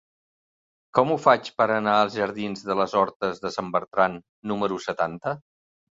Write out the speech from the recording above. Com ho faig per anar als jardins de les Hortes de Sant Bertran número setanta?